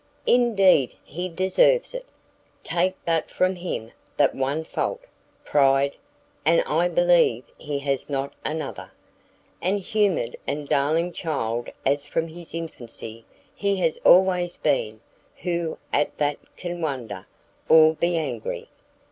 "Indeed he deserves it; take but from him that one fault, pride, and I believe he has not another: and humoured and darling child as from his infancy he has always been, who at that can wonder, or be angry?"